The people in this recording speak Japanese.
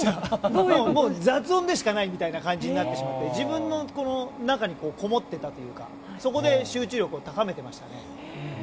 もう雑音でしかないみたいな感じになってしまって自分の中にこもっていたというかそこで集中力を高めてましたね。